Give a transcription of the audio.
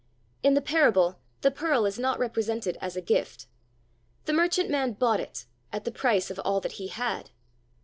In the parable, the pearl is not represented as a gift. The merchantman bought it at the price of all that he had.